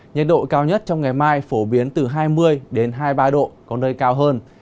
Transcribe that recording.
nhiệt độ cao nhất trong ngày mai phổ biến từ hai mươi hai mươi ba độ có nơi cao hơn